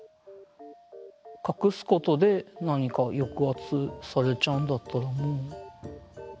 隠すことで何か抑圧されちゃうんだったらもう。